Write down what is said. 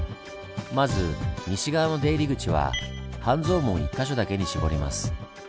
まず西側の出入り口は半蔵門１か所だけに絞ります。